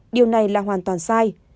điều này là hoàn toàn sai